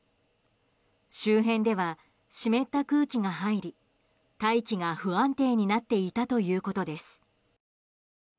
周辺では、湿った空気が入り大気が不安定になっていたということです。